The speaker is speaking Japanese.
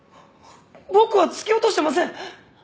僕は突き落としてません！